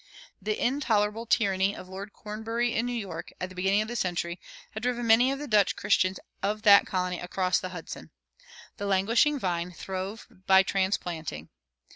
The intolerable tyranny of Lord Cornbury in New York, at the beginning of the century, had driven many of the Dutch Christians of that colony across the Hudson. The languishing vine throve by transplanting.